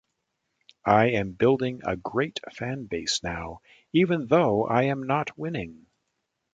I am building a great fan base now, even though I am not winning.